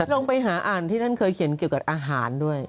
ลองไปหาอ่านที่ท่านเคยเขียนเกี่ยวกับอาหารด้วย